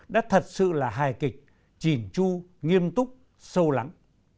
đã thật sự là hài kịch chỉn chu nghiêm túc sâu lắng